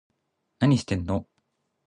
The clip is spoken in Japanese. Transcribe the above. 何してんの